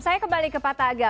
saya kembali ke pataga